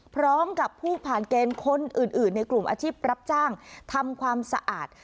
พร้อมกับผู้ผ่านเกณฑ์คนอื่นในกลุ่มอาชีพรับจ้างทำความสะอาด